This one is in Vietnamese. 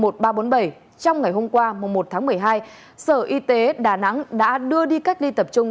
trong ngày hôm qua một tháng một mươi hai sở y tế đà nẵng đã đưa đi cách ly tập trung